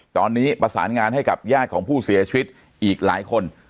ตอนนี้ประสานงานให้กับญาติของผู้เสียชีวิตอีกหลายคน